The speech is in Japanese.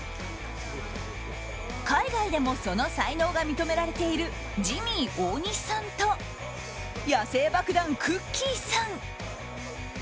海外でもその才能が認められているジミー大西さんと野性爆弾くっきー！さん。